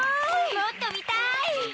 もっと見たい。